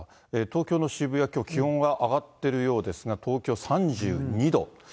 東京の渋谷、きょう、気温が上がってるようですが、東京は３２度。